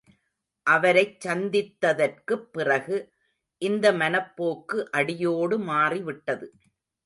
அவரைச் சந்தித்ததற்குப் பிறகு இந்த மனப்போக்கு அடியோடு மாறிவிட்டது.